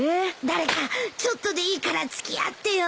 誰かちょっとでいいから付き合ってよ。